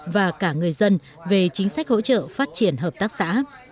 và cả người dân về chính sách hỗ trợ phát triển hợp tác xã